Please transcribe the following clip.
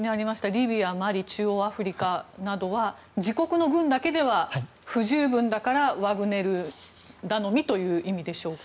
リビア、マリ中央アフリカなどは自国の軍だけでは不十分だからワグネル頼みという意味でしょうか。